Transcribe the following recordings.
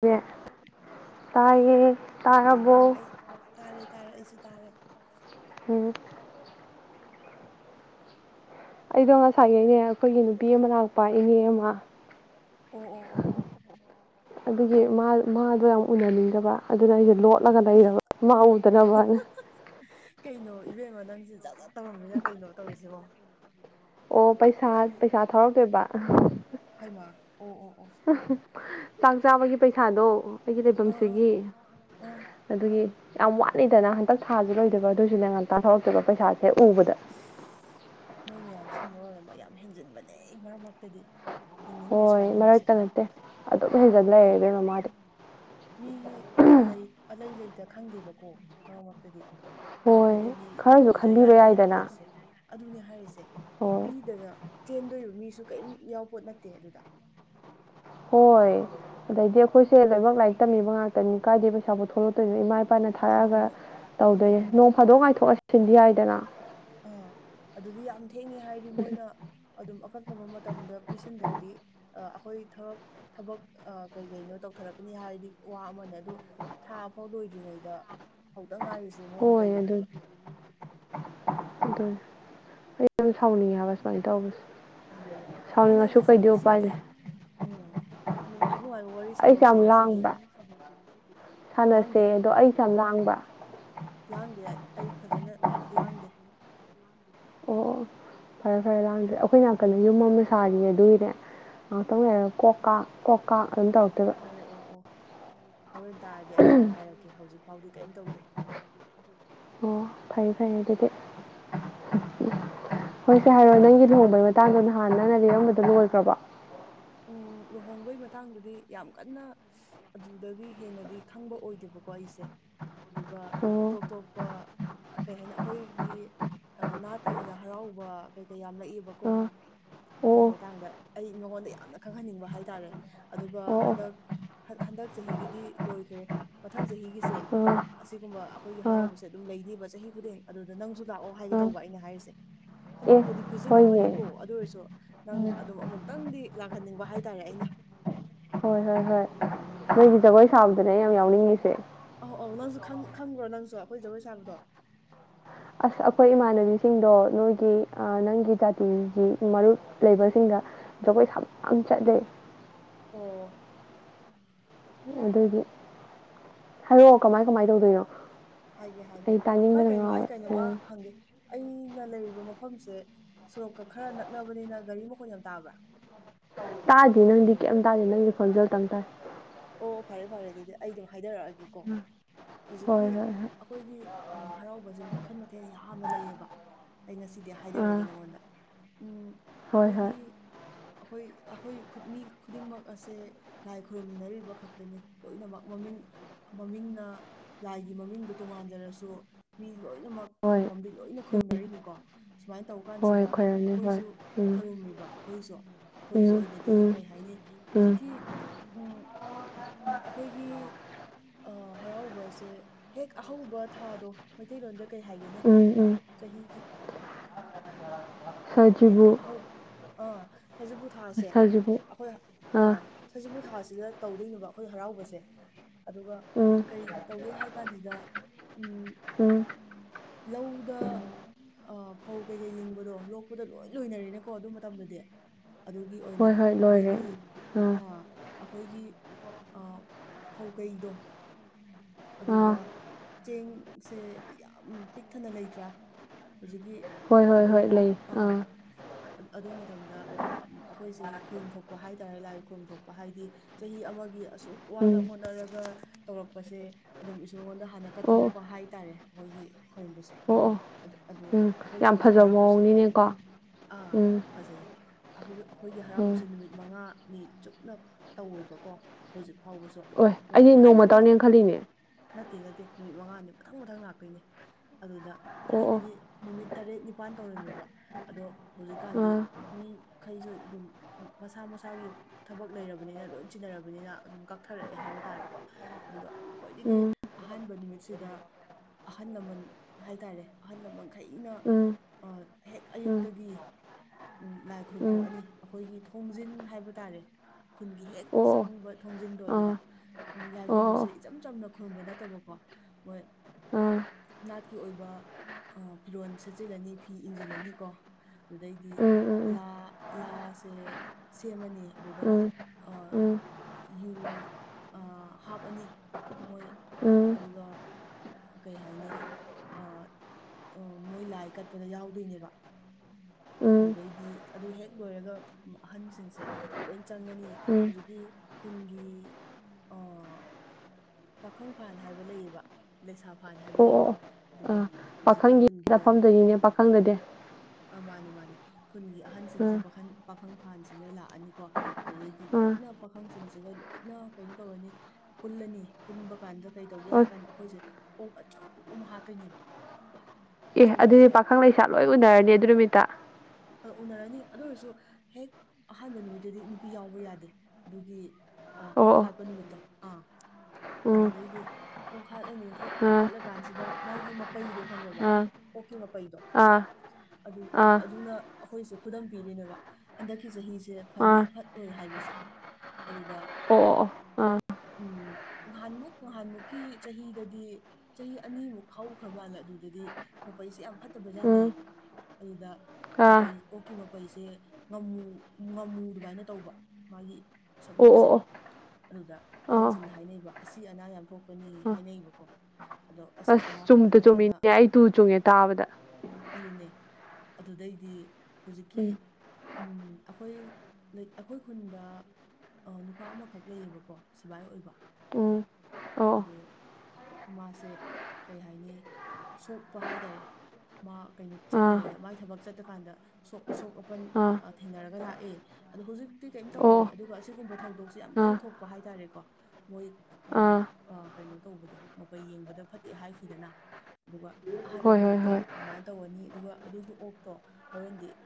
Bay ꯇꯥꯏꯌꯦ ꯇꯥꯔꯕꯣ ꯑꯣ ꯑꯩ ꯇꯥꯔꯦ ꯇꯥꯔꯦ ꯑꯩꯁꯨ ꯇꯥꯔꯦ ꯍꯨꯝ ꯑꯩꯗꯣ ꯉꯁꯥꯏꯒꯩꯅꯦ ꯑꯩꯈꯣꯏꯒꯤ ꯅꯨꯄꯤ ꯑꯃ ꯂꯥꯛꯄ ꯏꯅꯦ ꯑꯃ ꯑꯣ ꯑꯣ ꯑꯣ ꯑꯣ ꯑꯗꯨꯒꯤ ꯃꯥ ꯃꯥꯗꯣ ꯌꯥꯝ ꯎꯅꯅꯤꯡꯗꯕ ꯑꯗꯨꯅ ꯑꯩꯗꯣ ꯂꯣꯠ ꯂꯣꯠꯂꯒ ꯂꯩꯔꯕ ꯃꯥ ꯎꯗꯅꯕ ꯅ ꯀꯩꯅꯣ ꯏꯕꯦꯝꯃ ꯅꯪꯁꯦ ꯖꯠ ꯖꯠ ꯇꯧꯔꯝꯃꯤꯅ ꯀꯩꯅꯣ ꯇꯧꯔꯤꯁꯤꯕꯣ ꯑꯣ ꯄꯩꯁꯥ ꯑꯩ ꯄꯩꯁꯥ ꯊꯧꯔꯛ ꯇꯣꯏꯕ ꯍꯩꯃꯥ ꯑꯣ ꯑꯣ ꯑꯣ ꯆꯥꯛ ꯆꯥꯕꯒꯤ ꯄꯩꯁꯥꯗꯣ ꯑꯩꯒꯤ ꯑꯥ ꯑꯥ ꯂꯩꯐꯝꯁꯤꯒꯤ ꯑꯥ ꯑꯗꯨꯒꯤ ꯌꯥꯝ ꯋꯥꯠꯂꯤꯗꯅ ꯍꯟꯇꯛ ꯊꯥꯁꯨ ꯂꯣꯏꯗꯣꯢꯕ ꯑꯗꯨꯏꯁꯨꯅꯦ ꯉꯟꯇ ꯊꯧꯔꯛꯇꯣꯢꯕ ꯄꯩꯁꯥ ꯑꯁ ꯃꯣꯏ ꯃꯌꯥꯝꯁꯤꯅ ꯃꯔꯣꯟ ꯑꯃ ꯌꯥꯝ ꯍꯦꯟꯖꯤꯟꯕꯅꯦ ꯃꯔꯛ ꯃꯔꯛꯇꯗꯤ ꯌꯦꯡꯅꯤꯡꯗꯦ ꯍꯣꯏ ꯁꯨꯃꯥꯏꯅ ꯇꯧꯕꯁꯦ ꯃꯔꯛꯇ ꯅꯠꯇꯦ ꯑꯗꯨꯝ ꯍꯩꯖꯦꯟ ꯎꯝ ꯂꯩꯔꯦ ꯢꯕꯦꯝꯃ ꯃꯥꯗꯤ ꯃꯤꯒꯤ ꯑꯂ ꯑꯂꯩ ꯂꯩꯇ ꯈꯪꯗꯦꯕꯀꯣ ꯃꯔꯛ ꯃꯔꯛꯇꯗꯤ ꯍꯣꯏ ꯃꯣꯏꯒꯤꯗ ꯈꯔꯁꯨ ꯑꯣꯏꯖ ꯈꯟꯕꯤꯕ ꯌꯥꯔꯦ ꯌꯥꯏꯗꯅ ꯍꯥꯏꯕꯁꯦ ꯑꯗꯨꯅꯦ ꯍꯥꯏꯔꯤꯁꯦ ꯍꯣꯏ ꯄꯤꯗꯅ ꯆꯦꯟꯗꯣꯏꯕ ꯃꯤꯁꯨ ꯀꯔꯤꯝ ꯌꯥꯎꯄꯣꯠ ꯅꯠꯇꯦ ꯑꯗꯨꯗ ꯍꯣꯏ ꯑꯗꯒꯤ ꯑꯈꯣꯏꯁꯦ ꯂꯣꯏꯃꯛ ꯂꯥꯏꯔꯤꯛ ꯇꯝꯃꯤꯕ ꯉꯥꯛꯇꯅꯤ ꯀꯥꯏꯗꯩ ꯄꯩꯁꯥꯕꯨ ꯊꯣꯛꯂꯛꯇꯣꯏꯅꯣ ꯏꯃꯥ ꯄꯅ ꯊꯥꯔꯛꯑꯒ ꯑꯗꯨꯅꯦ ꯇꯧꯗꯣꯏꯅꯦ ꯅꯣꯡ ꯐꯥꯗꯣꯛ ꯉꯥꯏꯊꯣꯛ ꯉꯥꯢꯁꯤꯟꯗꯤ ꯌꯥꯏꯗꯅ ꯑ ꯑꯗꯨꯗꯤ ꯌꯥꯝ ꯊꯦꯡꯉꯦ ꯍꯥꯏꯔꯗꯤ ꯑꯗꯨ ꯃꯣꯏꯅ ꯑꯗꯨꯝ ꯑꯀꯛꯅꯕ ꯃꯇꯝꯗ ꯄꯤꯁꯤꯟꯗ꯭ꯔꯗꯤ ꯑ ꯑꯈꯣꯏ ꯊꯕꯛ ꯊꯕꯛ ꯑ ꯀꯩ ꯀꯩꯅꯣ ꯇꯧꯊꯔꯛꯀꯅꯤ ꯍꯥꯏꯔꯗꯤ ꯋꯥ ꯑꯃꯅꯦ ꯑꯗꯨ ꯊꯥꯐꯧ ꯂꯣꯏꯗ꯭ꯔꯤꯉꯩ ꯉꯩꯗ ꯍꯧꯗ ꯉꯥꯏꯔꯤꯁꯦ ꯃꯣꯏꯅ ꯀꯩꯅꯣ ꯍꯥꯏꯕ ꯑꯗꯨꯅꯦ ꯈꯣꯢꯗꯧ ꯁꯥꯎꯅꯤꯡꯉꯦ ꯍꯥꯏꯕ ꯁꯨꯃꯥꯏꯟ ꯇꯧꯕꯁꯦ ꯑꯗꯨꯅꯦ ꯁꯥꯎꯅꯤꯡꯉꯁꯨ ꯀꯥꯟꯅꯗꯁꯦ ꯀꯩꯗꯤ ꯎꯄꯥꯏ ꯉꯁꯤꯗꯤ ꯂꯩ ꯎꯝ ꯅꯨꯡꯉꯥꯢ ꯑꯩꯁꯦ ꯌꯥꯝ ꯂꯥꯡꯕ꯭ꯔꯥ ꯁꯥꯟꯅꯁꯦ ꯂꯥꯡꯗꯦ ꯑꯗꯣ ꯑꯩꯁꯦ ꯌꯥꯝ ꯂꯥꯡꯕ꯭ꯔꯥ ꯂꯥꯡꯗꯦ ꯑꯩ ꯐꯖꯅ ꯂꯥꯡꯗꯦ ꯑꯣ ꯑꯣ ꯐꯔꯦ ꯐꯔꯦ ꯂꯥꯟꯗ꯭ꯔꯦ ꯑꯈꯣꯏ ꯅꯥꯀꯟꯗ ꯌꯨꯝ ꯑꯃ ꯁꯥꯔꯤꯌꯦ ꯑꯗꯨꯒꯤꯅꯦ ꯉꯥꯛꯇꯪ ꯂꯩꯔ ꯀꯣꯛꯀꯥꯛ ꯀꯣꯛꯀꯥꯛ ꯑꯗꯨꯝ ꯇꯧꯔꯛꯇꯣꯢꯕ ꯑꯣ ꯑꯣ ꯑꯣ ꯍꯣꯔꯦꯟ ꯇꯥꯔꯗꯤ ꯑꯩ ꯑꯗꯨꯝ ꯍꯥꯏꯔꯛꯀꯦ ꯍꯧꯖꯤꯛ ꯐꯥꯎꯗꯤ ꯀ꯭ꯌꯝ ꯇꯧꯗꯦ ꯐꯔꯦ ꯐꯌꯦ ꯑꯗꯨꯗꯤ ꯍꯣꯏꯁꯦ ꯍꯥꯏꯔꯣ ꯅꯪꯒꯤ ꯂꯨꯍꯣꯡꯕꯩ ꯃꯇꯥꯡꯗꯣ ꯅꯍꯥꯟ ꯅꯪꯅ ꯂꯤꯔꯝꯕꯗꯣ ꯂꯣꯏꯒ꯭ꯔꯕꯣ ꯎꯝ ꯂꯨꯍꯣꯡꯕꯩ ꯃꯇꯥꯡꯗꯨꯗꯤ ꯌꯥꯝ ꯀꯟꯅ ꯑꯗꯨꯗꯒꯤ ꯍꯦꯟꯅꯗꯤ ꯈꯪꯕ ꯑꯣꯏꯗꯦꯕꯀꯣ ꯑꯩꯁꯦ ꯑꯗꯨꯒ ꯑꯣ ꯑꯣ ꯑꯣ ꯑꯣ ꯑꯇꯣꯞ ꯑꯇꯣꯞꯄ ꯑ ꯀꯩ ꯍꯥꯏꯅ ꯑꯈꯣꯏꯒꯤ ꯑ ꯅꯥꯠꯀꯤ ꯑꯣꯏꯅ ꯍꯔꯥꯎꯕ ꯀꯩ ꯀꯩ ꯌꯥꯝ ꯂꯩꯌꯦꯕꯀꯣ ꯑꯗꯨ ꯃꯇꯥꯡꯗ ꯑꯩ ꯃꯥꯉꯣꯟꯗ ꯌꯥꯝꯅ ꯈꯪꯍꯟꯅꯤꯡꯕ ꯍꯥꯏ ꯇꯥꯔꯦ ꯑꯗꯨꯒ ꯍꯟꯗꯛ ꯍꯠ ꯍꯟꯗꯛ ꯆꯍꯤꯒꯤꯗꯤ ꯂꯣꯏꯈ꯭ꯔꯦ ꯃꯊꯪ ꯆꯍꯤꯒꯤꯁꯦ ꯑꯣ ꯑꯁꯤꯒꯨꯝꯕ ꯑꯈꯣꯏꯒꯤ ꯑꯣ ꯍꯔꯥꯎꯕꯁꯦ ꯑꯗꯨꯝ ꯂꯩꯅꯤꯕ ꯆꯍꯤ ꯈꯨꯗꯤꯡ ꯑꯗꯨꯗ ꯅꯪꯁꯨ ꯂꯥꯛꯑꯣ ꯍꯥꯏꯒꯦ ꯑꯣ ꯇꯧꯕ ꯑꯩꯅ ꯍꯥꯏꯔꯤꯁꯦ ꯑꯦ ꯊꯕꯛꯄꯨꯗꯤ ꯈꯨꯖꯤꯟ ꯍꯣꯏꯅꯦ ꯑꯃꯅꯤꯀꯣ ꯑꯗꯨ ꯑꯣꯏꯔꯁꯨ ꯅꯪ ꯑꯗꯨꯝ ꯑꯃꯨꯛꯇꯪꯗꯤ ꯂꯥꯛꯍꯟꯅꯤꯡꯕ ꯍꯥꯏꯇꯥꯔꯦ ꯑꯩꯅ ꯑꯥ ꯅꯈꯣꯏꯒꯤ ꯖꯒꯣꯏ ꯁꯥꯕꯗꯨꯅꯦ ꯑꯩꯅ ꯌꯥꯝ ꯌꯥꯎꯅꯤꯡꯉꯤꯁꯦ ꯑꯣ ꯅꯪꯁꯨ ꯈꯪ ꯈꯪꯕ꯭ꯔꯣ ꯅꯪꯁꯨ ꯑꯈꯣꯏ ꯖꯒꯣꯏ ꯁꯥꯕꯗꯣ ꯑꯁ ꯑꯈꯣꯏ ꯏꯃꯥꯟꯅꯕꯤ ꯁꯤꯡꯗꯣ ꯅꯣꯏꯒꯤ ꯑ ꯅꯪꯒꯤ ꯖꯥꯇꯤꯒꯤ ꯃꯔꯨꯞ ꯂꯩꯕꯁꯤꯡꯗ ꯖꯒꯣꯏ ꯁꯥꯕ ꯌꯥꯝ ꯆꯠꯂꯦ ꯑꯣ ꯑꯗꯨꯒꯤ ꯍꯥꯏꯔꯛꯑꯣ ꯀꯃꯥꯏ ꯀꯃꯥꯏ ꯇꯧꯗꯣꯏꯅꯣ ꯍꯥꯏꯒꯦ ꯍꯥꯏꯒꯦ ꯑꯩ ꯚꯥꯏ ꯇꯥꯅꯤꯡꯕꯅ ꯀꯩꯅꯣ ꯑꯩ ꯉꯥꯎꯔꯦ ꯀꯩꯅꯣꯝꯃ ꯎꯝ ꯍꯪꯒꯦ ꯑꯩ ꯅ ꯂꯩꯔꯤꯕ ꯃꯐꯝꯁꯦ ꯁꯣꯔꯣꯛꯀ ꯈꯔ ꯅꯛꯅꯕꯅꯤꯅ ꯒꯥꯔꯤ ꯃꯈꯣꯟ ꯌꯥꯝ ꯇꯥꯕ꯭ꯔꯥ ꯇꯥꯗꯤ ꯅꯪꯗꯤ ꯀ꯭ꯌꯝ ꯇꯥꯗꯦ ꯅꯪꯒꯤ ꯈꯣꯟꯖꯦꯜ ꯇꯪ ꯇꯥꯏ ꯑꯣ ꯐꯔꯦ ꯐꯔꯦ ꯑꯗꯨꯗꯤ ꯑꯩ ꯗꯨꯝ ꯍꯥꯏꯗꯔꯛꯑꯒꯦꯀꯣ ꯍꯣꯏ ꯍꯧꯖꯤꯛꯀꯤ ꯍꯣꯏ ꯍꯣꯏ ꯑꯈꯣꯏꯒꯤ ꯑ ꯍꯔꯥꯎꯕꯖꯦ ꯃꯈꯟ ꯃꯊꯦꯟ ꯌꯥꯝꯅ ꯂꯩꯌꯦꯕ ꯑꯩ ꯉꯁꯤꯗꯤ ꯍꯥꯏꯗꯔꯒꯦ ꯑꯥ ꯅꯪꯉꯣꯟꯗ ꯎꯝ ꯍꯣꯏ ꯍꯣꯏ ꯑꯈꯣꯏꯒꯤ ꯑꯈꯣꯏ ꯑꯈꯣꯏ ꯈꯨꯠ ꯃꯤ ꯈꯨꯗꯤꯡꯃꯛ ꯑꯁꯦ ꯂꯥꯏ ꯈꯨꯔꯨꯝꯅꯔꯤ ꯕꯈꯛꯇꯅꯦ ꯂꯣꯏꯅꯃꯛ ꯃꯃꯤꯡ ꯃꯃꯤꯡꯅꯥ ꯂꯥꯏꯒꯤ ꯃꯃꯤꯡꯗꯣ ꯇꯣꯉꯥꯟꯖꯔꯁꯨ ꯃꯤ ꯂꯣꯏꯅꯃꯛ ꯍꯣꯏ ꯑꯃꯃꯝꯗꯤ ꯂꯣꯏꯅ ꯎꯝ ꯈꯨꯔꯨꯝꯅꯔꯤꯅꯤꯀꯣ ꯁꯨꯃꯥꯏꯟ ꯇꯧ ꯍꯣꯏ ꯀꯥꯟꯁꯤꯗ ꯈꯣꯏꯔꯝꯅꯤ ꯍꯣꯏ ꯑꯈꯣꯏꯁꯨ ꯎꯝ ꯈꯔꯨꯝꯃꯤꯕ ꯑꯈꯣꯏꯁꯨ ꯑꯈꯣꯏꯒꯤ ꯎꯝ ꯑꯣꯏꯅꯗꯤ ꯎꯝ ꯀꯩ ꯍꯥꯏꯅꯤ ꯎꯝ ꯍꯧꯖꯤꯛꯀꯤ ꯎꯝ ꯑꯈꯣꯏꯒꯤ ꯑ ꯍꯔꯥꯎꯕꯁꯦ ꯍꯦꯛ ꯑꯍꯧꯕ ꯊꯥꯗꯣ ꯃꯩꯇꯩꯂꯣꯟꯗ ꯀꯩ ꯍꯥꯏꯒꯦꯅꯦ ꯎꯝ ꯎꯝ ꯆꯍꯤꯒꯤ ꯍꯦꯛ ꯁꯖꯤꯕꯨ ꯑꯍꯧꯕ ꯑꯥ ꯁꯖꯤꯕꯨ ꯊꯥꯁꯦ ꯁꯖꯤꯕꯨ ꯑꯈꯣꯏ ꯑꯥ ꯁꯖꯤꯕꯨ ꯊꯥꯁꯤꯗ ꯇꯧꯗꯨꯏꯅꯦꯕ ꯑꯈꯣꯏ ꯍꯔꯥꯎꯕꯁꯦ ꯑꯗꯨꯒ ꯎꯝ ꯀꯩ ꯇꯧꯒꯦ ꯍꯥꯏ ꯀꯥꯟꯁꯤꯗ ꯎꯝ ꯎꯝ ꯂꯧꯗ ꯑ ꯐꯧ ꯀꯩꯀꯩ ꯂꯤꯡꯕꯗꯣ ꯂꯣꯛꯄꯗ ꯂꯣꯏ ꯂꯣꯏꯅꯔꯦꯅꯦꯀꯣ ꯑꯗꯨ ꯃꯇꯝꯗꯗꯤ ꯑꯗꯨꯒꯤ ꯑꯣꯏꯅ ꯍꯣꯏ ꯍꯣꯏ ꯂꯣꯏꯔꯦ ꯑꯈꯣꯏꯒꯤ ꯑꯥ ꯑꯈꯣꯏꯒꯤ ꯑꯥ ꯐꯧꯒꯩꯗꯣ ꯑꯗꯨꯗ ꯑꯥ ꯆꯦꯡꯁꯦ ꯌꯥꯝ ꯄꯤꯛꯊꯟꯅ ꯂꯩꯇ꯭ꯔꯥ ꯍꯧꯖꯤꯛꯀꯤ ꯍꯣꯏ ꯍꯣꯏ ꯑꯗꯨ ꯍꯣꯏ ꯂꯩ ꯑꯥ ꯑꯗꯨ ꯃꯇꯝꯗ ꯑꯈꯣꯏꯁꯦ ꯈꯨꯔꯨꯝꯊꯣꯛꯄ ꯍꯥꯏꯇꯥꯥꯔꯦ ꯂꯥꯏ ꯈꯨꯔꯨꯝꯊꯣꯛꯄ ꯍꯥꯏꯗꯤ ꯆꯍꯤ ꯑꯃꯒꯤ ꯑꯁꯨꯛ ꯋꯥꯅ ꯎꯝ ꯍꯣꯠꯅꯔꯒ ꯇꯧꯔꯛꯄꯁꯦ ꯑꯗꯨꯝ ꯏꯁꯣꯔꯉꯣꯟꯗ ꯍꯥꯟꯅ ꯑꯣ ꯀꯠꯊꯣꯛꯄ ꯍꯥꯏꯇꯥꯔꯦ ꯑꯈꯣꯏꯒꯤ ꯈꯨꯔꯨꯝꯕꯁꯦ ꯑꯣ ꯑꯣ ꯑꯗꯣ ꯑꯗꯣ ꯎꯝ ꯌꯥꯝ ꯐꯖꯕ ꯃꯑꯣꯡꯅꯤꯅꯦꯀꯣ ꯎꯝ [unintelligible] ꯑꯈꯣꯏꯒꯤ ꯍꯔꯥꯎꯁꯦ ꯎꯝ ꯅꯨꯃꯤꯠ ꯃꯉꯥꯅꯤ ꯆꯨꯞꯅ ꯇꯧꯋꯦꯕꯀꯣ ꯍꯧꯖꯤꯛ ꯐꯥꯎꯕꯁꯨ ꯑꯣꯏ ꯑꯗꯨꯒ ꯑꯩꯗꯤ ꯅꯣꯡꯃ ꯊꯥꯏꯅꯗꯤ ꯇꯪꯅꯦ ꯈꯜꯂꯤꯅꯦ ꯅꯠꯇꯦ ꯅꯠꯇꯦ ꯅꯨꯃꯤꯠ ꯃꯉꯥꯅꯤ ꯃꯊꯪ ꯃꯊꯪ ꯂꯥꯛꯇꯣꯏꯅꯦ ꯑꯗꯨꯗ ꯑꯣ ꯑꯣ ꯊꯥꯏꯅꯗꯤ ꯅꯨꯃꯤꯠ ꯇꯔꯦꯠ ꯅꯤꯄꯟ ꯇꯧꯔꯤꯕꯃꯦꯕꯥ ꯑꯗꯣ ꯍꯧꯖꯤꯛꯀꯥꯟꯗꯤ ꯑꯥ ꯃꯤ ꯈꯩꯁꯨ ꯗꯨꯝ ꯎꯝꯃꯁꯥ ꯃꯁꯥꯒꯤ ꯊꯕꯛ ꯂꯩꯔꯕꯅꯦꯅ ꯂꯣꯏ ꯆꯤꯟꯅꯔꯕꯅꯤꯅ ꯑꯗꯨꯝ ꯀꯛꯊꯔ [unintelligible] ꯑꯦ ꯍꯥꯏꯕ ꯇꯥꯔꯦꯀꯣ ꯑꯗꯨꯒ ꯈ꯭ꯋꯥꯏꯗꯒꯤ ꯎꯝ ꯑꯍꯥꯟꯕ ꯅꯨꯃꯤꯠꯁꯤꯗꯥ ꯑꯍꯟ ꯂꯃꯟ ꯍꯥꯏꯇꯥꯔꯦ ꯑꯍꯜ ꯂꯃꯟꯈꯩꯅ ꯎꯝ ꯑ ꯍꯦꯛ ꯎꯝ ꯑꯌꯨꯛꯇꯒꯤ ꯎꯝ ꯂꯥꯏ ꯎꯝ ꯈꯨꯔꯨꯝꯊꯣꯛꯑꯅꯤ ꯑꯈꯣꯏꯒꯤ ꯊꯣꯡꯖꯤꯟ ꯍꯥꯏꯕ ꯇꯥꯔꯦ ꯈꯨꯟꯒꯤ ꯍꯦꯛ ꯑꯣ ꯑꯣ ꯆꯪꯕ ꯊꯣꯡꯖꯤꯟꯗꯣ ꯑꯗꯨꯗ ꯑꯥ ꯎꯝ ꯂꯥꯏ ꯑꯣ ꯈꯨꯔꯨꯝꯕꯁꯦ ꯑꯣ ꯏꯆꯝ ꯆꯝꯅ ꯈꯨꯔꯨꯝꯕ ꯅꯠꯇꯕꯀꯣ ꯃꯣꯏ ꯑꯥ ꯅꯥꯠꯀꯤ ꯑꯣꯏꯕ ꯐꯤꯔꯣꯟ ꯁꯦꯠꯆꯜꯂꯅꯤ ꯐꯤ ꯏꯟꯖꯤꯜꯂꯅꯤ ꯀꯣ ꯑꯗꯨꯗꯩꯗꯤ ꯎꯝ ꯂꯥ ꯂꯥꯁꯦ ꯁꯦꯝꯃꯅꯤ ꯎꯝ ꯑꯗꯨꯗ ꯎꯝ ꯑ, ꯎꯝ ꯌꯨ ꯑꯥꯔ ꯍꯥꯞꯑꯅꯤ ꯃꯣꯏ ꯎꯝ ꯑꯗꯨꯒ ꯀꯩ ꯍꯥꯏꯅꯤ ꯑꯥ ꯑꯩ ꯃꯣꯏ ꯂꯥꯏ ꯀꯠꯄꯗ ꯌꯥꯎꯗꯣꯏꯅꯦꯕꯥ ꯎꯝ ꯑꯗꯨꯗꯩꯗꯤ ꯑꯗꯨ ꯍꯦꯛ ꯂꯣꯏꯔꯒ ꯑꯍꯟꯁꯤꯡꯁꯦ ꯂꯣꯏ ꯆꯪꯉꯅꯤ ꯎꯝ ꯍꯧꯖꯤꯛꯀꯤ ꯈꯨꯟꯒꯤ ꯑꯥ ꯄꯥꯈꯪꯐꯥꯟ ꯍꯥꯏꯕ ꯂꯩꯌꯦꯕꯥ ꯂꯩꯁꯥ ꯐꯥꯟ ꯍꯥꯏꯕ ꯑꯣ ꯑꯣ ꯂꯩꯌꯦꯕ ꯑꯣ ꯑꯗꯨꯗ ꯑꯥ ꯍꯧꯖꯤꯛꯀꯤ ꯈꯨꯟꯒꯤ ꯄꯥꯈꯪꯒꯤꯗ ꯑꯣꯏ ꯐꯝꯗꯣꯏꯅꯤꯅꯦ ꯄꯥꯈꯪꯗꯗꯤ ꯑ ꯃꯥꯅꯦ ꯃꯥꯅꯦ ꯈꯨꯟꯒꯤ ꯑꯍꯟꯁꯤꯡꯁꯦ ꯑꯥ ꯄꯥꯈꯟ ꯄꯥꯈꯪ ꯐꯥꯥꯟꯁꯤꯗ ꯂꯥꯛꯑꯅꯤꯀꯣ ꯑꯗꯨꯗꯩꯗꯤ ꯑꯥ ꯂꯣꯏꯅ ꯄꯥꯈꯪꯁꯤꯡꯁꯦ [unintelligible] ꯂꯣꯏꯅ ꯀꯩꯅꯣ ꯇꯧꯔꯅꯤ ꯄꯨꯜꯂꯅꯤ ꯄꯨꯟꯕ ꯀꯥꯟꯗ ꯀꯩꯗꯧꯒꯦ ꯍꯥꯏ ꯑꯁ ꯀꯥꯟꯗ ꯑꯈꯣꯏꯁꯦ ꯑꯣꯛ ꯑꯆꯧꯕ ꯑꯃ ꯍꯥꯠꯇꯣꯏꯅꯦꯕꯥ ꯑꯦ ꯑꯗꯨꯗꯤ ꯄꯥꯈꯪ ꯂꯩꯁꯥ ꯂꯣꯏ ꯎꯅꯔꯅꯤ ꯑꯗꯨ ꯅꯨꯃꯤꯠꯇ ꯑ ꯎꯅꯔꯅꯤ ꯑꯗꯨ ꯑꯣꯏꯔꯁꯨ ꯍꯦꯛ ꯑꯍꯥꯟꯕ ꯅꯨꯃꯤꯠꯇꯨꯗꯤ ꯅꯨꯄꯤ ꯌꯥꯎꯕ ꯌꯥꯗꯦ ꯑꯗꯨꯒꯤ ꯑꯥ ꯑꯣꯛ ꯑꯣ ꯑꯣ ꯍꯥꯏꯠꯄ ꯅꯨꯃꯤꯠꯇꯣ ꯑꯥ ꯎꯝ ꯑꯗꯨꯗꯩꯗꯤ ꯑꯣꯛ ꯍꯥꯠꯂꯅꯤ ꯍꯣꯛ ꯑꯥ ꯍꯥꯠꯂꯀꯥꯟꯁꯤꯗ ꯃꯥꯒꯤ ꯃꯄꯩꯗꯣ ꯈꯪꯕ꯭ꯔꯥ ꯚꯥꯏ ꯑꯥ ꯑꯣꯀꯤ ꯃꯄꯩꯗꯣ ꯑꯗꯨ ꯑꯥ ꯑ ꯑꯥ ꯑꯗꯨꯅ ꯑꯈꯣꯏꯁꯨ ꯈꯨꯗꯝ ꯄꯤꯔꯤꯅꯦꯕꯥ ꯍꯟꯗꯛꯀꯤ ꯆꯍꯤꯁꯦ ꯐꯅꯤ ꯑꯥ ꯐꯠꯔꯣꯏ ꯍꯥꯏꯕꯁꯦ ꯑꯗꯨꯗꯥ ꯑꯣ ꯑꯣ ꯑꯣ ꯑꯥ [unintelligible] ꯎꯝ ꯉꯍꯥꯟꯃꯨꯛ ꯉꯍꯥꯟꯃꯨꯛꯀꯤ ꯆꯍꯤꯗꯗꯤ ꯆꯍꯤ ꯑꯅꯤꯃꯨꯛ ꯍꯧꯈ꯭ꯔ ꯃꯥꯜꯂꯦ ꯑꯗꯨꯗ ꯗꯨꯗꯤ ꯃꯄꯩꯁꯦ ꯌꯥꯝ ꯐꯠꯇꯕ ꯖꯥꯠꯅꯦ ꯎꯝ ꯑꯗꯨꯗꯥ ꯑꯥ ꯃꯄꯩ ꯑꯣꯛꯀꯤ ꯃꯄꯩꯁꯦ ꯉꯝꯃꯨ ꯉꯝꯃꯨ ꯗꯨꯃꯥꯏꯅ ꯇꯧꯕ ꯃꯥꯒꯤ ꯑꯣ ꯑꯣ ꯁꯒꯣꯟꯁꯦ ꯑꯗꯨꯗ ꯑꯣ ꯑꯥ ꯑꯍꯟꯁꯤꯡꯅ ꯍꯥꯏꯅꯩꯕ ꯑꯁꯤ ꯑꯅꯥ ꯌꯥꯝ ꯊꯣꯛꯀꯅꯤ ꯑꯥ ꯍꯥꯏꯅꯩꯕꯀꯣ ꯑꯗꯣ ꯑꯁꯤ ꯑꯁ ꯑꯅꯥ ꯈꯛꯇ ꯆꯨꯝꯗ ꯅꯠꯇꯅ ꯆꯨꯝꯃꯤꯅꯦ ꯑꯩ ꯇꯨ ꯆꯨꯝꯉꯦ ꯇꯥꯕꯗ ꯑꯗꯨꯅꯦ ꯑꯗꯨꯗꯩꯗꯤ ꯍꯧꯖꯤꯛꯀꯤ ꯎꯝ ꯎꯝ ꯑꯩꯈꯣꯏ ꯑꯩꯈꯣꯏ ꯈꯨꯟꯗ ꯑꯥ ꯅꯨꯄꯥ ꯑꯃꯈꯛ ꯂꯩꯌꯦꯕꯀꯣ ꯁꯤꯕꯥꯥꯏ ꯑꯣꯏꯕ ꯎꯝ ꯑꯣ ꯑꯗꯣ ꯃꯥꯁꯦ ꯀꯔꯤ ꯍꯥꯏꯅꯤ ꯁꯣꯛꯄ ꯍꯥꯏ ꯇꯔꯦ ꯃꯥ ꯀꯩꯅꯣ ꯑꯥ ꯆꯠꯂꯤꯉꯩꯗ ꯃꯥꯏ ꯊꯕꯛ ꯆꯠꯇ ꯀꯥꯟꯗ ꯁꯣꯛ ꯑꯁꯣꯛ ꯑꯄꯟ ꯑꯥ ꯊꯦꯡꯅꯔꯒ ꯂꯥꯛꯑꯦ ꯑꯗꯣ ꯍꯧꯖꯤꯛꯇꯤ ꯀꯩꯝ ꯑꯣ ꯇꯧꯗ꯭ꯔꯦ ꯑꯗꯨꯒ ꯑꯁꯤꯒꯨꯝꯕ ꯊ ꯊꯧꯗꯣꯛ ꯁꯦ ꯌꯥꯝ ꯑꯥ ꯇꯣꯏꯅ ꯊꯣꯛꯄ ꯍꯥꯏ ꯇꯔꯦꯀꯣ ꯃꯣꯏ ꯑꯥ ꯅꯍꯥꯟ ꯀꯩꯅꯣ ꯇꯧꯕꯗꯣ ꯃꯄꯩ ꯌꯦꯡꯕꯗ ꯐꯠꯇꯦ ꯍꯥꯏꯈꯤꯗꯅ ꯑꯗꯨꯒ ꯑꯍꯥꯟꯕ ꯍꯣꯏ ꯍꯣꯏ ꯍꯣꯏ ꯅꯨꯃꯤꯠꯇ ꯑꯗꯨꯃꯥꯏꯅ ꯇꯧꯔꯅꯤ ꯑꯗꯨꯒ ꯑꯗꯨꯗꯣ ꯑꯣꯐ ꯑꯣ ꯍꯣꯔꯦꯟꯗꯤ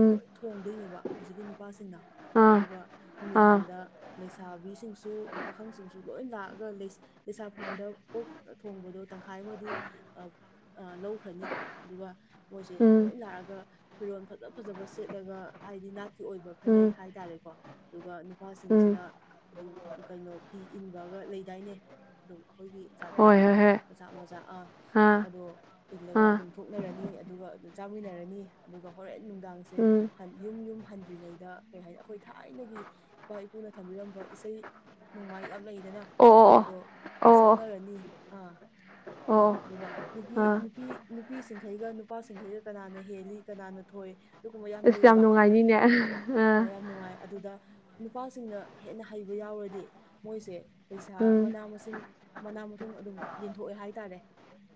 ꯎꯝ ꯊꯣꯡꯗꯣꯏꯅꯦꯕ ꯍꯧꯖꯤꯛꯀꯤ ꯅꯨꯄꯥꯁꯤꯡꯅ ꯑꯥ ꯑꯗꯨꯒ ꯑꯥ ꯅꯨꯃꯤꯗꯥꯡꯗ ꯂꯩꯁꯥꯕꯤꯁꯤꯡꯁꯨ ꯄꯥꯈꯪꯁꯤꯡꯁꯨ ꯂꯣꯏ ꯂꯥꯛꯑꯒ ꯂꯩꯁꯥ ꯐꯥꯟꯗ ꯑꯣꯛ ꯊꯣꯡꯕꯗꯣ ꯇꯪꯈꯥꯏ ꯑꯃꯗꯤ ꯑꯥ ꯑꯥ ꯂꯧꯈ꯭ꯔꯅꯤ ꯑꯗꯨꯒ ꯃꯣꯏꯁꯦ ꯎꯝ ꯂꯣꯏ ꯂꯥꯛꯒ ꯐꯤꯔꯣꯜ ꯐꯖ ꯐꯖꯕ ꯁꯦꯠꯂꯒ ꯍꯥꯏꯗꯤ ꯅꯥꯠꯀꯤ ꯑꯣꯏꯕ ꯐꯅꯦꯛ ꯎꯝ ꯍꯥꯏꯇꯥꯔꯦꯀꯣ ꯑꯗꯨꯒ ꯎꯝ ꯅꯨꯄꯥꯁꯤꯡꯁꯤꯅ ꯑꯗꯨꯝ ꯀꯩꯅꯣ ꯐꯤ ꯏꯟꯕꯒ ꯂꯩꯗꯥꯏꯅꯦ ꯑꯗꯨꯒ ꯑꯩꯈꯣꯏꯒꯤ ꯍꯣꯏ ꯖꯥꯠꯇꯗꯤ ꯍꯣꯏ ꯍꯣꯏ ꯃꯆꯥꯥ ꯃꯆꯥ ꯑꯥ ꯑꯥ ꯑꯗꯣ ꯏꯜꯂꯒ ꯑꯥ ꯑꯗꯨꯝ ꯊꯣꯛꯅꯔꯅꯤ ꯑꯗꯨꯒ ꯑꯗꯨꯝ ꯆꯥꯃꯤꯟꯅꯔꯅꯤ ꯑꯗꯨꯒ ꯍꯣꯔꯦꯟ ꯅꯨꯡꯗꯥꯡꯁꯦ ꯎꯝ ꯌꯨꯝ ꯌꯨꯝ ꯍꯟꯗ꯭ꯔꯤꯉꯩꯗ ꯀꯩ ꯍꯥꯏꯅꯤ ꯑꯩꯈꯣꯏ ꯊꯥꯏꯅꯒꯤ ꯏꯄꯥ ꯏꯄꯨꯅ ꯊꯝꯕꯤꯔꯝꯕ ꯏꯁꯩ ꯅꯣꯡꯃꯥꯏ ꯌꯥꯝ ꯂꯩꯗꯅ ꯑꯣ ꯑꯣ ꯑꯗꯣ ꯑꯣ ꯑꯣ ꯁꯛꯅꯔꯅꯤ ꯑꯥ ꯑꯣ ꯑꯗꯨꯒ ꯅꯨꯄꯤ ꯑꯥ ꯅꯨꯄꯤ ꯅꯨꯄꯤꯁꯤꯡꯈꯩꯒ ꯅꯨꯄꯥꯁꯤꯡꯈꯩꯒ ꯀꯅꯥꯅ ꯍꯦꯜꯂꯤ ꯀꯅꯥꯅ ꯊ ꯊꯣꯛ ꯑꯗꯨꯒꯨꯝꯕ ꯌꯥꯝ ꯂꯩꯌꯦꯕ ꯑꯥ ꯌꯥꯝ ꯅꯨꯡꯉꯥꯏ ꯑꯗꯨꯗ ꯅꯨꯄꯥꯁꯤꯡꯅ ꯍꯦꯟꯅ ꯍꯩꯕ ꯌꯥꯎꯔꯗꯤ ꯃꯣꯏꯁꯦ ꯄꯩꯁꯥ ꯎꯝ ꯃꯅꯥ ꯃꯁꯤꯡ ꯃꯅꯥ ꯃꯊꯝ ꯑꯗꯨꯝ ꯌꯦꯟꯊꯣꯛꯑꯦ ꯍꯥꯏꯇꯥꯔꯦ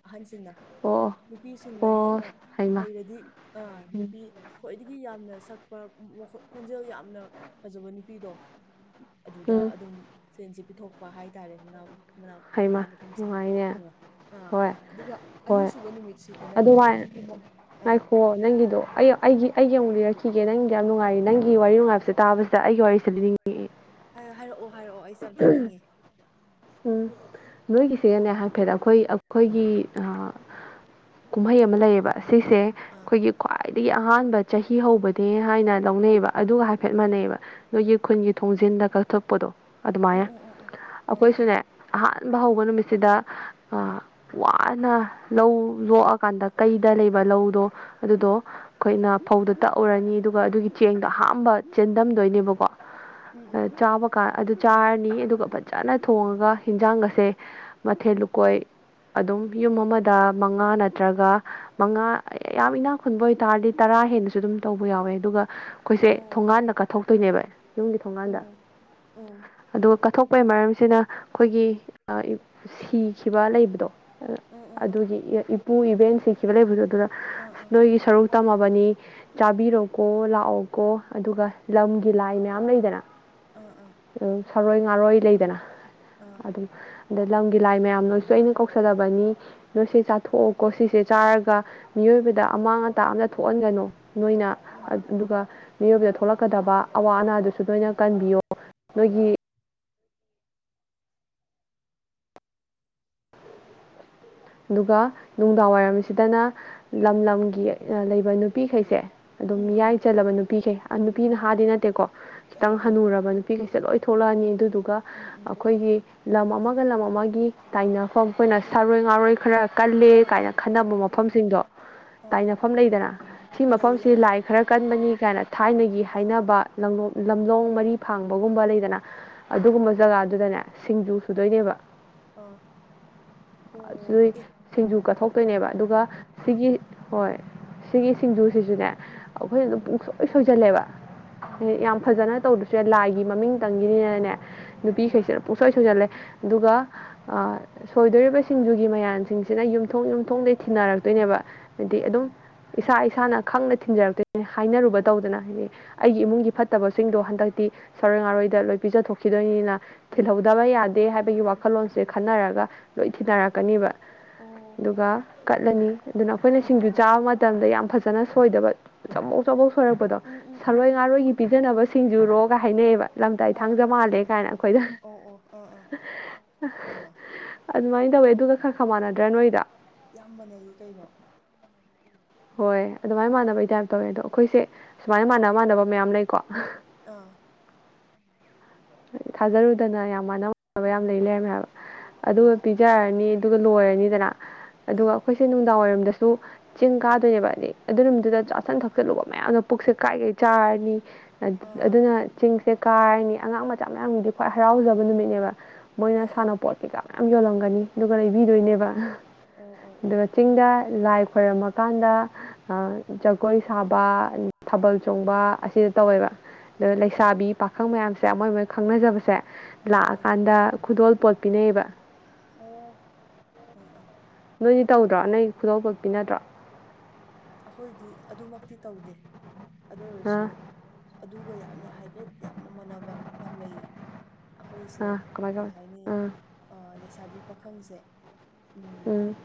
ꯑꯍꯟꯁꯤꯡꯅ ꯑꯣ ꯅꯨꯄꯤꯁꯤꯡꯅ ꯑꯣ ꯑꯣ ꯍꯦꯟꯅ ꯍꯩꯃꯥ ꯍꯩꯔꯗꯤ ꯑꯥ ꯎꯝ ꯅꯨꯄꯤ ꯈ꯭ꯋꯥꯏꯗꯒꯤ ꯌꯥꯝꯅ ꯁꯛꯄ ꯈꯣꯟꯖꯦꯜ ꯌꯥꯝꯅ ꯐꯖꯕ ꯅꯨꯄꯤꯗꯣ ꯑꯗꯨꯗ ꯎꯝ ꯑꯗꯨꯝ ꯁꯦꯟꯁꯦ ꯄꯤꯊꯣꯛꯄ ꯍꯥꯏꯇꯥꯔꯦ ꯃꯅꯥ ꯃ ꯍꯩꯃꯥ ꯃꯅꯥ ꯃꯊꯨꯝꯁꯦ ꯅꯨꯡꯉꯥꯏꯅꯦ ꯑꯥ ꯑꯥ ꯍꯣꯏ ꯑꯗꯨꯒ ꯍꯣꯏ ꯑꯅꯤꯁꯨꯕ ꯅꯨꯃꯤꯠ ꯁꯤ ꯁꯤꯗꯅ ꯍꯧꯖꯤꯛꯀꯤ ꯑꯥ ꯑꯗꯣ ꯑꯩ ꯑꯩꯒꯤ ꯑꯩꯒꯤ ꯑꯃꯨꯛ ꯂꯤꯔꯛꯈꯤꯒꯦ ꯅꯪꯗ ꯌꯥꯝ ꯅꯨꯡꯉꯥꯏꯔ ꯅꯪꯒꯤ ꯋꯥꯔꯤ ꯅꯨꯡꯉꯥꯏꯕꯁꯦ ꯇꯥꯕꯁꯤꯗ ꯑꯩꯒꯤ ꯋꯥꯔꯤꯁꯦ ꯂꯤꯅꯤꯡꯉꯛꯑꯦ ꯍꯥꯏꯔꯛꯑꯣ ꯍꯥꯏꯔꯛꯑꯣ ꯑꯩꯁꯨ ꯌꯥꯝ ꯇꯥꯛꯅꯤꯡꯉꯦ ꯎꯝ ꯅꯣꯏꯒꯤꯁꯤꯒꯅꯦ ꯍꯥꯏꯐꯦꯠ ꯑꯩꯈꯣꯏ ꯑꯩꯈꯣꯏꯒꯤ ꯀꯨꯝꯍꯩ ꯑꯃ ꯂꯩꯌꯦꯕ ꯁꯤꯁꯦ ꯑꯥ ꯑꯩꯈꯣꯏꯒꯤ꯭ꯋꯥꯏ ꯈ꯭ꯋꯥꯏꯗꯒꯤ ꯑꯍꯥꯟꯕ ꯆꯍꯤ ꯍꯧꯕꯅꯦ ꯍꯥꯏꯅ ꯂꯧꯅꯩꯑꯕ ꯑꯗꯨꯒ ꯍꯥꯏꯐꯦꯠ ꯃꯥꯟꯅꯩꯑꯕ ꯅꯣꯏꯒꯤ ꯈꯨꯟꯒꯤ ꯊꯣꯡꯁꯦ ꯊꯣꯡꯖꯤꯟꯗ ꯀꯛꯊꯣꯛꯄꯗꯣ ꯑꯣ ꯑꯗꯨꯃꯥꯏꯅ ꯑꯣ ꯑꯣ ꯑꯣ ꯑꯥ ꯑꯥ ꯑꯩꯈꯣꯏꯁꯨꯅꯦ ꯑꯍꯥꯟꯕ ꯍꯧꯕ ꯅꯨꯃꯤꯠꯁꯤꯗ ꯑꯥ ꯋꯥꯅ ꯂꯧ ꯂꯣꯛꯑꯀꯥꯟꯗ ꯀꯩꯗ ꯂꯩꯕ ꯂꯧꯗꯣ ꯑꯗꯨꯗꯣ ꯑꯩꯈꯣꯏꯅ ꯐꯧꯗꯣ ꯇꯛꯎꯔꯅꯤ ꯑꯗꯨꯒ ꯑꯗꯨꯒꯤ ꯆꯦꯡꯗꯣ ꯑꯍꯝꯕ ꯆꯦꯟꯗꯝꯗꯣꯏꯅꯦꯕꯀꯣ ꯆꯥꯕ ꯀꯥꯟ ꯑꯗꯨ ꯆꯥꯔꯅꯤ ꯑꯗꯨꯒ ꯐꯖꯅ ꯊꯣꯡꯉꯒ ꯍꯟꯖꯥꯡꯒ ꯁꯦ ꯃꯊꯦꯜ ꯂꯨꯀꯣꯏ ꯑꯗꯨꯝ ꯌꯨꯝ ꯑꯃꯗ ꯃꯉꯥ ꯅꯠꯇ꯭ꯔꯒ ꯃꯉꯥ ꯌꯥꯝ ꯏꯅꯥ ꯈꯨꯟꯕ ꯑꯣꯏꯇꯥꯔꯗꯤ ꯇꯔꯥ ꯍꯦꯟꯅꯁꯨ ꯑꯗꯨꯝ ꯇꯧꯕ ꯌꯥꯎꯋꯦ ꯑꯗꯨꯒ ꯑꯩꯈꯣꯏꯁꯦ ꯎꯝ ꯎꯝ ꯊꯣꯡꯒꯥꯟꯗ ꯀꯠꯊꯣꯛꯇꯣꯏꯅꯦꯕ ꯑꯣ ꯑꯣ ꯌꯨꯝꯒꯤ ꯊꯣꯡꯒꯥꯟꯗ ꯑꯣ ꯑꯗꯨꯒ ꯀꯠꯊꯣꯛ ꯑꯣꯏꯣꯏ ꯃꯔꯝꯁꯤꯅ ꯑꯩꯈꯣꯏꯒꯤ ꯁꯤꯈꯤꯕ ꯂꯩꯕꯗꯣ ꯑꯗꯨꯒꯤ ꯏꯄꯨ ꯏꯕꯦꯟ ꯁꯤꯈꯤꯕ ꯂꯩꯕꯗ ꯑꯗꯨꯅ ꯑꯥ ꯑꯥ ꯑꯥ ꯑꯥ ꯑꯥ ꯅꯣꯏꯒꯤ ꯁꯔꯨꯛ ꯇꯝꯃꯕꯅꯤ ꯆꯥꯕꯤꯔꯣꯀꯣ ꯂꯥꯛꯑꯣꯀꯣ ꯑꯗꯨꯒ ꯂꯝꯒꯤ ꯂꯥꯏ ꯃꯌꯥꯝ ꯂꯩꯗꯅ ꯑꯥ ꯑꯥ ꯁꯔꯣꯏ ꯉꯥꯔꯣꯏ ꯂꯩꯗꯅ ꯑꯥ ꯑꯗꯨꯝ ꯑꯗ ꯂꯝꯒꯤ ꯂꯥꯏ ꯃꯌꯥꯝ ꯅꯣꯏꯁꯨ ꯑꯩꯅ ꯀꯧꯁꯜꯂꯕꯅꯤ ꯅꯣꯏꯁꯦ ꯆꯥꯊꯣꯛꯑꯣꯀꯣ ꯁꯤꯁꯦ ꯆꯥꯔꯒ ꯃꯤꯑꯣꯏꯕꯗ ꯑꯃꯥꯡ ꯑꯇꯥ ꯑꯗ ꯊꯣꯛꯍꯟꯒꯅꯨ ꯅꯣꯏꯅ ꯎꯝ ꯑꯗꯨꯒ ꯃꯤꯑꯣꯏꯕꯗ ꯊꯣꯛꯂꯛꯀꯗꯕ ꯑꯋꯥ ꯑꯅꯥꯗꯨꯁꯨ ꯂꯣꯏꯅ ꯀꯟꯕꯤꯌꯣ ꯅꯣꯏꯒꯤ ꯑꯗꯨꯒ ꯅꯨꯡꯗꯥꯡ ꯋꯥꯏꯔꯝꯁꯤꯗꯅ ꯂꯝ ꯂꯝꯒꯤ ꯂꯩꯕ ꯅꯨꯄꯤꯈꯩꯁꯦ ꯑꯗꯨꯝ ꯎꯝ ꯎꯝ ꯃꯤꯌꯥꯏ ꯆꯜꯂꯕ ꯅꯨꯄꯤꯈꯦ ꯅꯨꯄꯤꯅ ꯊꯥꯗꯤ ꯅꯠꯇꯦꯀꯣ ꯑꯧ ꯈꯤꯇꯪ ꯑꯧ ꯍꯟꯅꯨꯔꯕ ꯅꯨꯄꯤꯈꯩꯁꯤꯗ ꯂꯣꯏ ꯊꯣꯛꯂꯛꯑꯅꯤ ꯑꯗꯨꯗꯨꯒ ꯎꯝ ꯎꯝ ꯑꯩꯈꯣꯏꯒꯤ ꯂꯝ ꯑꯃꯒ ꯂꯝ ꯑꯃꯒꯤ ꯇꯥꯏꯅꯐꯝ ꯑꯩꯈꯣꯏꯅ ꯁꯥꯔꯣꯏ ꯉꯥꯔꯣꯏ ꯈꯔ ꯀꯜꯂꯦ ꯑꯥ ꯑꯥ ꯀꯥꯏꯅ ꯈꯟꯅꯕ ꯃꯐꯝꯁꯤꯡꯗꯣ ꯑꯥ ꯇꯥꯏꯅꯐꯝ ꯂꯩꯗꯅ ꯁꯤ ꯂꯩ ꯃꯐꯝꯁꯤ ꯂꯩ ꯑꯥ ꯂꯥꯏ ꯈꯔ ꯀꯟꯕꯅꯤ ꯀꯥꯏꯅ ꯊꯥꯏꯅꯒꯤ ꯑꯥ ꯑꯥ ꯍꯥꯏꯅꯕ ꯂꯝ ꯂꯝꯂꯣꯡ ꯃꯔꯤ ꯐꯥꯡꯕꯒꯨꯝꯕ ꯂꯩꯗꯅ ꯑꯥ ꯑꯗꯨꯒꯨꯝꯕ ꯖꯒꯥꯗꯨꯗꯅꯦ ꯁꯤꯡꯖꯨ ꯁꯨꯗꯣꯏꯅꯦꯕ ꯑꯣ ꯁꯤꯏ ꯑꯦ ꯁꯤꯡꯖꯨ ꯀꯠꯊꯣꯛ ꯇꯣꯏꯅꯦꯕ ꯑꯗꯨꯒ ꯁꯤꯒꯤ ꯍꯣꯏ ꯁꯤꯒꯤ ꯁꯤꯡꯖꯨꯁꯤꯁꯨꯅꯦ ꯑꯩꯈꯣꯏꯅ ꯑꯗꯨꯝ ꯎꯝ ꯄꯨꯡꯁꯣꯏ ꯁꯣꯏꯁꯜꯂꯦꯕ ꯎꯝ ꯌꯥꯝ ꯐꯖꯅ ꯇꯧꯗ ꯁꯦ ꯂꯥꯏꯒꯤ ꯃꯃꯤꯡ ꯇꯪꯒꯤꯅꯤꯅꯅꯦ ꯎꯝ ꯅꯨꯄꯤꯈꯩꯁꯤꯅ ꯄꯨꯡꯁꯣꯏ ꯁꯣꯏꯖꯜꯂꯦ ꯑꯗꯨꯒ ꯁꯣꯏꯗꯣꯔꯤꯕꯁꯤꯡꯖꯨ ꯒꯤ ꯃꯌꯥꯝꯁꯤꯡꯁꯤꯅ ꯌꯨꯝꯊꯣꯡ ꯌꯨꯝꯊꯣꯡꯗꯩ ꯊꯤꯅꯔꯛꯇꯣꯏꯅꯦꯕ ꯍꯥꯏꯗꯤ ꯑꯥ ꯑꯗꯨꯝ ꯑꯥ ꯏꯁꯥ ꯏꯁꯥꯅ ꯈꯪꯅ ꯊꯤꯟꯖꯔꯛꯇꯣꯏ ꯍꯥꯏꯅꯔꯨꯕ ꯇꯧꯗꯅ ꯍꯥꯏꯗꯤ ꯑꯩꯒꯤ ꯏꯃꯨꯡꯒꯤ ꯐꯠꯇꯕꯁꯤꯡꯗꯣ ꯍꯟꯗꯛꯇꯤ ꯔꯣꯏꯗ ꯂꯣꯏ ꯄꯤꯖꯊꯣꯛꯈꯤꯗꯣꯏꯅꯤꯅ ꯊꯤꯜꯍꯧꯗꯕ ꯌꯥꯗꯦ ꯍꯥꯏꯕꯒꯤ ꯋꯥꯈꯜꯂꯣꯟꯁꯦ ꯈꯟꯅꯔꯒ ꯂꯣꯏ ꯊꯤꯅꯔ ꯀꯛꯀꯅꯦꯕ ꯑꯣ ꯑꯗꯨꯒ ꯀꯠꯂꯅꯤ ꯑꯗꯨꯅ ꯑꯩꯈꯣꯏꯅ ꯁꯤꯡꯖꯨ ꯆꯥꯕꯃ ꯃꯇꯝꯗ ꯌꯥꯝ ꯐꯖꯅ ꯁꯣꯏꯗꯕ ꯆꯃꯧ ꯆꯃꯧꯣꯛ ꯁꯣꯏꯔꯛꯄꯗꯣ ꯎꯝ ꯎꯝ ꯎꯝ ꯁꯂꯣꯏ ꯎꯝ ꯉꯥꯔꯣꯏꯒꯤ ꯄꯤꯖꯅꯕꯁꯤꯡ ꯌꯖꯨꯔꯣꯒ ꯍꯥꯏꯅꯩꯑꯕ ꯂꯝꯇ ꯏ ꯑꯥ ꯊꯥꯡꯖ ꯑꯥ ꯑꯥ ꯃꯥꯜꯂꯦ ꯑꯥ ꯀꯥꯏꯅ ꯑꯩꯈꯣꯏꯗ ꯑꯣ ꯑꯣ ꯑꯥ ꯑꯥ ꯍꯩꯃ ꯑꯗꯨꯃꯥꯏꯅ ꯇꯧꯋꯦ ꯑꯗꯨꯒ ꯈꯔ ꯈꯔ ꯃꯥꯟꯅꯗ꯭ꯔꯥ ꯅꯣꯏꯗꯣ ꯌꯥꯝ ꯃꯥꯟꯅꯩꯌꯦ ꯀꯩꯅꯣ ꯍꯣꯏ ꯑꯗꯨꯃꯥꯏꯅ ꯃꯥꯟꯅꯕꯩ ꯇꯥꯏꯞ ꯇꯧꯋꯦ ꯑꯗꯣ ꯑꯩꯈꯣꯏꯁꯦ ꯁꯨꯃꯥꯏꯅ ꯃꯥꯟꯅꯕ ꯃꯥꯟꯅꯕ ꯃꯌꯥꯝ ꯂꯩꯀꯣ ꯑꯥ ꯊꯥꯖꯔꯨꯗꯅ ꯌꯥꯝ ꯃꯥꯟꯅ ꯃꯅꯕ ꯌꯥꯝ ꯂꯩ ꯂꯩꯔꯝꯃꯦ ꯍꯥꯏꯕ ꯑꯗꯨꯒ ꯍꯣꯏ ꯄꯤꯖꯔꯅꯤ ꯑꯗꯨꯒ ꯂꯣꯏꯔꯅꯤꯗꯅ ꯑꯥ ꯑꯗꯨꯒ ꯑꯩꯈꯣꯏꯁꯦ ꯅꯨꯡꯗꯥꯡ ꯋꯥꯏꯔꯝ ꯆꯤꯡ ꯀ ꯅꯦꯕ ꯅꯤ ꯑꯗꯨ ꯅꯨꯃꯤꯗꯨꯗ ꯆꯥꯁꯤꯟ ꯊꯛꯆꯜꯂꯨꯕ ꯃꯌꯥꯝꯅꯣ ꯄꯨꯛꯁꯦ ꯀꯥꯏ ꯀꯩ ꯆꯥꯔꯅꯤ ꯑꯥ ꯑꯥ ꯑꯗꯨꯅ ꯆꯤꯡꯁꯦ ꯀꯥꯏꯔꯅꯤ ꯑꯉꯥꯡ ꯃꯆꯥ ꯃꯌꯥꯝꯒꯤꯗꯤ ꯈ꯭ꯋꯥꯏ ꯍꯔꯥꯎꯖꯕ ꯅꯨꯃꯤꯠꯅꯦꯕ ꯃꯣꯏꯅ ꯑꯥ ꯑꯥ ꯁꯥꯟꯅꯄꯣꯠ ꯀꯩꯀꯥ ꯃꯌꯥꯝ ꯌꯣꯜꯂꯝꯒꯅꯤ ꯑꯗꯨꯒ ꯂꯩꯕꯤꯗꯣꯏꯅꯦꯕ ꯑꯣ ꯑꯣ ꯑꯣ ꯑꯣ ꯑꯥ ꯑꯥ ꯑꯥ ꯑꯗꯨꯒ ꯆꯤꯡꯗ ꯂꯥꯏ ꯈꯣꯏꯔꯝꯃ ꯀꯥꯟꯗ ꯖꯒꯣꯏ ꯁꯥꯕ ꯊꯥꯕꯜ ꯆꯣꯡꯕ ꯑꯁꯤꯗ ꯇꯧꯋꯦꯕ ꯑꯗꯣ ꯂꯩꯁꯥꯕꯤ ꯄꯥꯈꯪ ꯃꯌꯥꯝꯁꯦ ꯃꯣꯏ ꯃꯣꯏ ꯈꯪꯅꯖꯕꯁꯦ ꯑꯥ ꯂꯥꯛꯑꯀꯥꯟꯗ ꯈꯨꯗꯣꯜꯄꯣꯠ ꯄꯤꯅꯩꯌꯦꯕ ꯑꯣ ꯑꯥ ꯑꯥ ꯅꯣꯏꯗꯤ ꯇꯧꯗ꯭ꯔꯣ ꯅꯪꯒꯤ ꯈꯨꯗꯣꯜ ꯄꯣꯠ ꯄꯤ ꯅꯗ꯭ꯔꯣ ꯑꯩꯈꯣꯏꯗꯤ ꯑꯗꯨꯃꯛꯇꯤ ꯇꯧꯗꯦ ꯑꯗꯨ ꯑꯥ ꯑꯣꯏꯔꯁꯨ ꯑꯗꯨꯒ ꯌꯥꯝꯅ ꯍꯥꯏꯐꯦꯠ ꯌꯥꯝꯅ ꯃꯥꯟꯅꯕ ꯌꯥꯝ ꯂꯩꯌꯦ ꯑꯩꯈꯣꯏꯁꯦ ꯑꯥ ꯀꯃꯥꯏ ꯀꯩ ꯀꯃꯥꯏ ꯍꯥꯏꯅꯤ ꯑꯥ ꯑ ꯂꯩꯁꯥꯕꯤ ꯄꯥꯈꯪꯁꯦ ꯎꯝ ꯨꯨꯑꯨꯝ